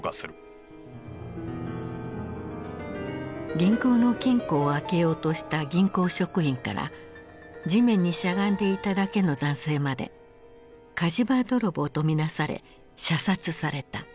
銀行の金庫を開けようとした銀行職員から地面にしゃがんでいただけの男性まで火事場泥棒と見なされ射殺された。